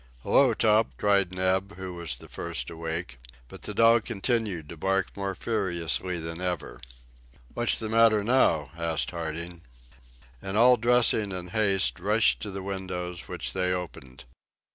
"Hello, Top!" cried Neb, who was the first awake. But the dog continued to bark more furiously than ever. "What's the matter now?" asked Harding. And all dressing in haste rushed to the windows, which they opened.